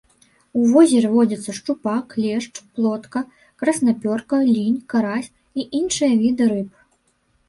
У возеры водзяцца шчупак, лешч, плотка, краснапёрка, лінь, карась і іншыя віды рыб.